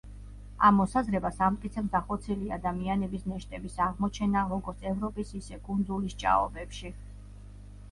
ამ მოსაზრებას ამტკიცებს დახოცილი ადამიანების ნეშტების აღმოჩნა როგორც ევროპის, ისე კუნძულის ჭაობებში.